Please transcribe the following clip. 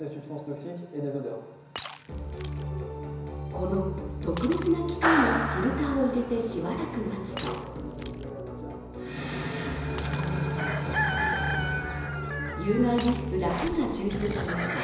この特別な機械にフィルターを入れてしばらく待つと有害物質だけが抽出されました。